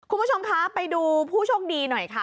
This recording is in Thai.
คุณผู้ชมคะไปดูผู้โชคดีหน่อยค่ะ